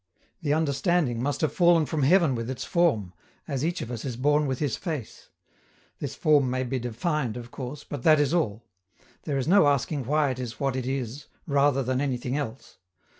The understanding must have fallen from heaven with its form, as each of us is born with his face. This form may be defined, of course, but that is all; there is no asking why it is what it is rather than anything else.